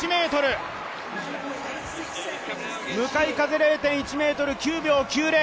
向かい風０．１メートル、９秒９０。